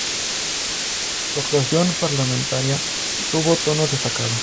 Su actuación parlamentaria tuvo tono destacado.